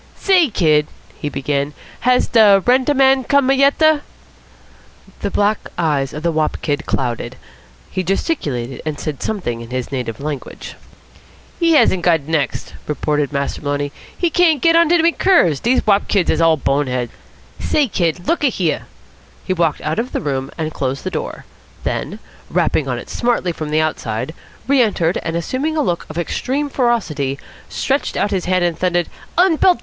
"Say, kid," he began, "has da rent a man come yet a?" The black eyes of the wop kid clouded. He gesticulated, and said something in his native language. "He hasn't got next," reported Master Maloney. "He can't git on to me curves. Dese wop kids is all boneheads. Say, kid, look a here." He walked out of the room and closed the door; then, rapping on it smartly from the outside, re entered and, assuming a look of extreme ferocity, stretched out his hand and thundered: "Unbelt a!